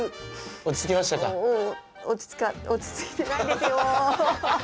落ち着か落ち着いてないですよ！